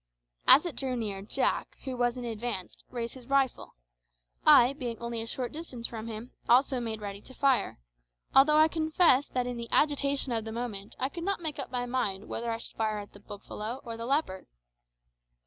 As it drew near, Jack, who was in advance, raised his rifle. I, being only a short distance from him, also made ready to fire, although I confess that in the agitation of the moment I could not make up my mind whether I should fire at the buffalo or the leopard.